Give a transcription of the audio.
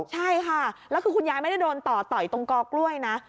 ใช่ค่ะแล้วคือคุณยายไม่ได้โดนต่อต่อยตรงกอกล้วยนะ